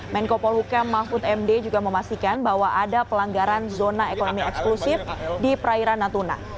menko polhukam mahfud md juga memastikan bahwa ada pelanggaran zona ekonomi eksklusif di perairan natuna